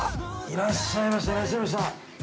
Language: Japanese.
いらっしゃいました。